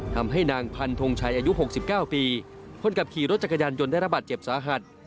ทำให้นางพันธงชัยอายุ๖๙ปีคนขับขี่รถจักรยานยนต์ได้ระบาดเจ็บสาหัส